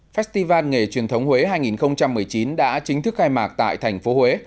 festival nghề truyền thống huế hai nghìn một mươi chín đã chính thức khai mạc tại thành phố huế